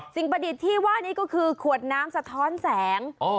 ประดิษฐ์ที่ว่านี้ก็คือขวดน้ำสะท้อนแสง